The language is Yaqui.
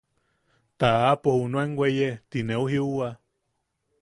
Ta aapo junuen weye ti neu jiuwa.